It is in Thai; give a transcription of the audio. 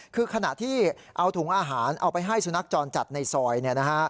คือขณะที่เอาถุงอาหารเอาไปให้สุนัขจรจัดในซอยเนี่ยนะฮะ